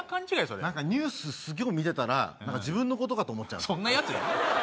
それ何かニュース見てたら自分のことかと思っちゃうのそんなやついる？